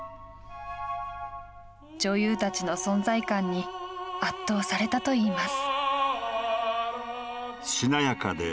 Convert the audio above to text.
女優たちの存在感に圧倒されたといいます。